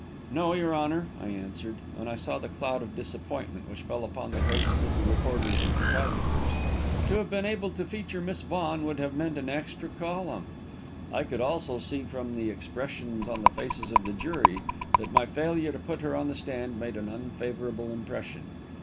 "No, Your Honour," I answered, and I saw the cloud of disappointment which fell upon the faces of reporters and photographers. To have been able to feature Miss Vaughan would have meant an extra column. I could also see, from the expression on the faces of the jury, that my failure to put her on the stand made an unfavourable impression.